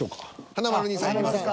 華丸兄さんいきますか。